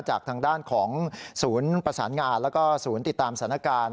จากทางด้านของศูนย์ประสานงานแล้วก็ศูนย์ติดตามสถานการณ์